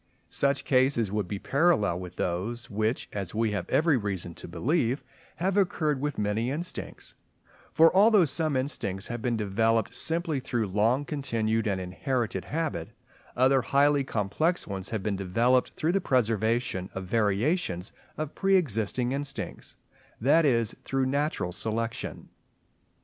Such cases would be parallel with those which, as we have every reason to believe, have occurred with many instincts; for although some instincts have been developed simply through long continued and inherited habit, other highly complex ones have been developed through the preservation of variations of pre existing instincts—that is, through natural selection.